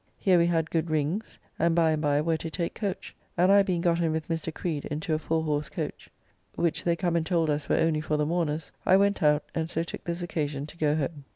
Here we had good rings, and by and by were to take coach; and I being got in with Mr. Creed into a four horse coach, which they come and told us were only for the mourners, I went out, and so took this occasion to go home.